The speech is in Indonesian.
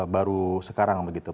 baru sekarang begitu